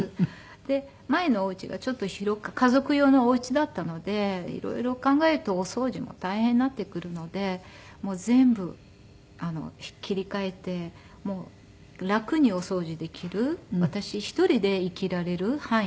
で前のお家がちょっと広く家族用のお家だったので色々考えるとお掃除も大変になってくるので全部切り替えて楽にお掃除できる私一人で生きられる範囲。